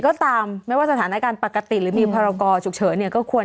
ก็ตามไม่ว่าสถานการณ์ปกติหรือมีพรกรฉุกเฉินเนี่ยก็ควร